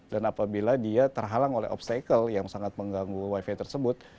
dan apabila dia terhalang oleh obstacle yang sangat mengganggu wifi tersebut